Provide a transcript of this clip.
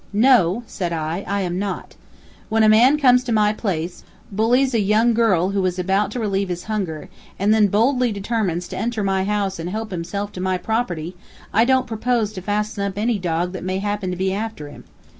"No," said I, "I am not. When a man comes to my place, bullies a young girl who was about to relieve his hunger, and then boldly determines to enter my house and help himself to my property, I don't propose to fasten up any dog that may happen to be after him.